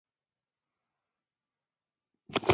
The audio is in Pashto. د افغانستان د اقتصادي پرمختګ لپاره پکار ده چې ګمرکونه منظم شي.